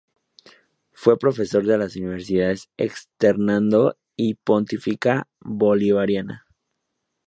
Fue profesor de las universidades Externado y Pontificia Bolivariana.